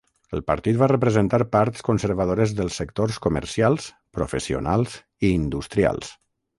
El partit va representar parts conservadores dels sectors comercials, professionals i industrials.